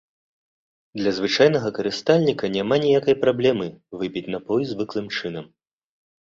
Для звычайнага карыстальніка няма ніякай праблемы выпіць напой звыклым чынам.